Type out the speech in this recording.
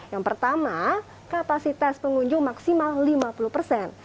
yang pertama kapasitas pengunjung maksimal lima puluh persen